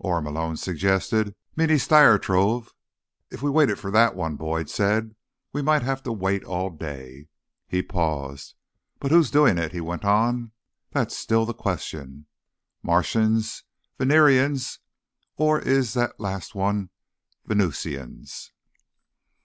"Or," Malone suggested, "Meeneestyerstvoh—" "If we waited for that one," Boyd said, "we might have to wait all day." He paused. "But who's doing it?" he went on. "That's still the question. Martians? Venerians? Or is that last one Venusians?"